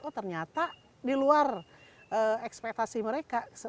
oh ternyata di luar ekspektasi mereka